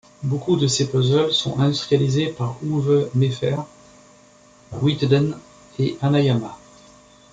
Beaucoup de ses puzzles sont industrialisés par Uwe Mèffert, Witeden et Hanayama.